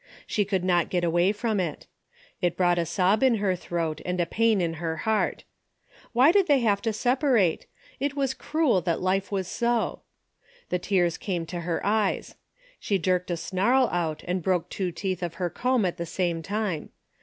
She could not get away from it. It brought a sob in her throat and a pain at her heart. Why did they have to separate ? It was cruel that life was so. The tears came to her eyes. She jerked a snarl out and broke two teeth of her comb at the same time.